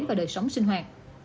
và đời sống sinh hoạt